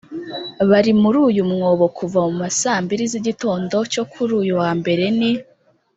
Bari muri uyu mwobo kuva mu saa mbili z’igitondo cyo kuri uyu wa mbere ni